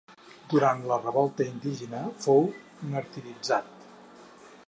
Durant una revolta indígena fou martiritzat.